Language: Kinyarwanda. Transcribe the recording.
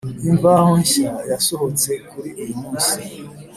Imvaho shya yasohotse kuri uyu munsi